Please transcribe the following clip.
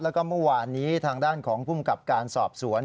แล้วก็เมื่อวานนี้ทางด้านของภูมิกับการสอบสวน